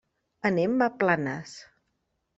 Anem a Planes.